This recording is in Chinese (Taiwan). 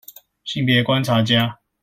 性別觀察家